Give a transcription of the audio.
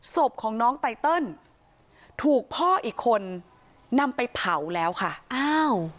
ศพของน้องไตเติลถูกพ่ออีกคนนำไปเผาแล้วค่ะอ้าว